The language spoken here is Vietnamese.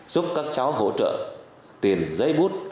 giúp các cháu hỗ trợ tiền giấy bút chi phí học hành